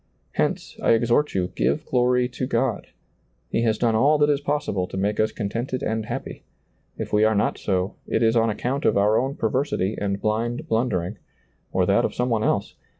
Hence, I exhort you, give glory to God. He has done all that is possible to make us contented and happy ; if we are not so, it is on account of oui own perversity and blind blundering, or that of some one else.